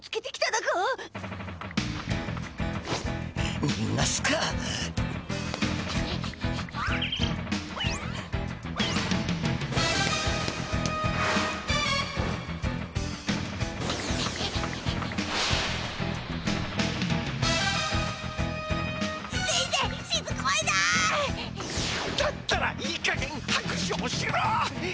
だったらいいかげんはくじょうしろ！